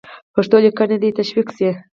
پښتو لیکنه دې تشویق سي.